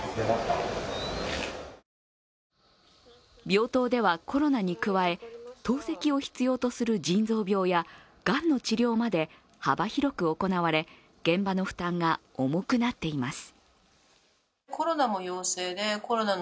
病棟ではコロナに加え、透析を必要とする腎臓病やがんの治療まで幅広く行われ現場の負担が重くなっています。